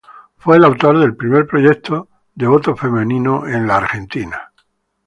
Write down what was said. Fue el autor del primer proyecto de voto femenino en Argentina.